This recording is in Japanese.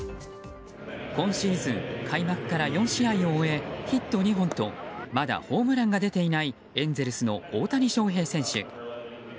今シーズン開幕から４試合を終えヒット２本とまだホームランが出ていないエンゼルスの大谷翔平選手。